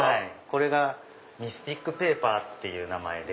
これがミスティックペーパーっていう名前で。